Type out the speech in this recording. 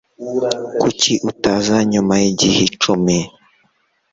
Kuki utaza nyuma yigihe icumi?